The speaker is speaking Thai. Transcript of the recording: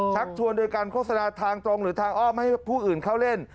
ชักชวนโดยการโฆษณาทางตรงหรือทางอ้อมให้ผู้อื่นเข้าเล่น